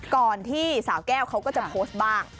ก่อนที่สาวแก้วเขาก็จะโพสต์บ้าง